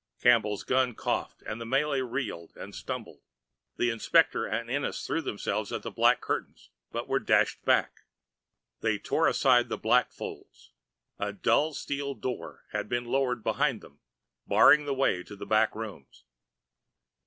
Campbell's gun coughed and the Malay reeled and stumbled. The inspector and Ennis threw themselves at the black curtains and were dashed back. They tore aside the black folds. A dull steel door had been lowered behind them, barring the way to the back rooms.